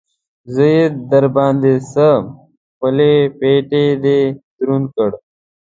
زه يې در باندې څه؟! خپل پټېی دې دروند کړ.